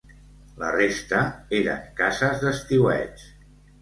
La resta eren cases d'estiueig.